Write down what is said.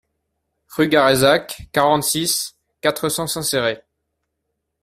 Rue Garrezac, quarante-six, quatre cents Saint-Céré